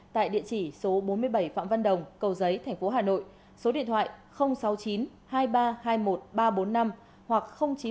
tại địa chỉ số bốn mươi bảy phạm văn đồng cầu giấy tp hà nội số điện thoại sáu mươi chín hai nghìn ba trăm hai mươi một ba trăm bốn mươi năm hoặc chín trăm một mươi ba sáu nghìn sáu trăm ba mươi hai